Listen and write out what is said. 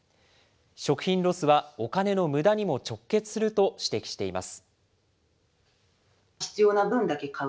食品ロスは、お金のむだにも直結すると指摘しています。